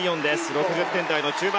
６０点台の中盤。